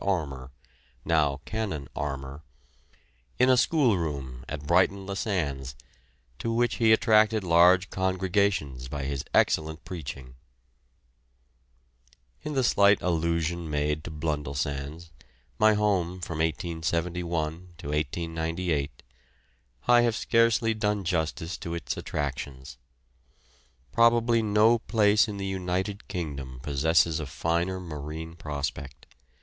Armour (now Canon Armour) in a schoolroom at Brighton le Sands, to which he attracted large congregations by his excellent preaching. In the slight allusion made to Blundellsands my home from 1871 to 1898 I have scarcely done justice to its attractions. Probably no place in the United Kingdom possesses a finer marine prospect.